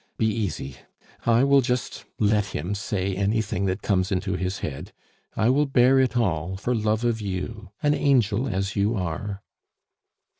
Be easy. I will just let him say anything that comes into his head. I will bear it all for love of you, an angel as you are."